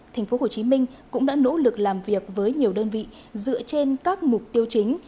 thành phố hồ chí minh cũng đã nỗ lực làm việc với nhiều đơn vị dựa trên các mục tiêu chính